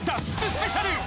スペシャル。